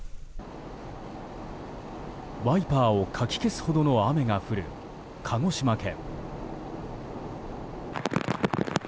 ワイパーをかき消すほどの雨が降る鹿児島県。